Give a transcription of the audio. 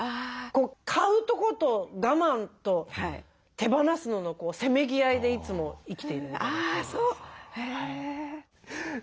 買うとこと我慢と手放すののせめぎ合いでいつも生きているみたいな感じです。